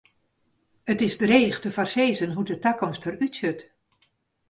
It is dreech te foarsizzen hoe't de takomst der út sjocht.